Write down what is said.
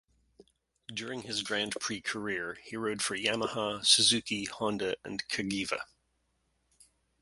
During his Grand Prix career he rode for Yamaha, Suzuki, Honda and Cagiva.